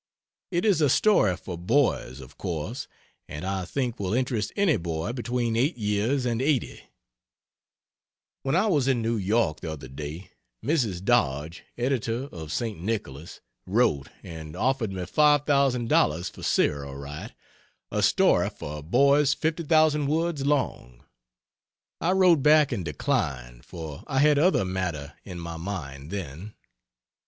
It is a story for boys, of course, and I think will interest any boy between 8 years and 80. When I was in New York the other day Mrs. Dodge, editor of St. Nicholas, wrote and, offered me $5,000 for (serial right) a story for boys 50,000 words long. I wrote back and declined, for I had other matter in my mind, then.